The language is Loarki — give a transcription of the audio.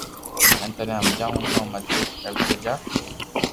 ھين ٿني ھمجاوُ ڪو متي ڪرتو جا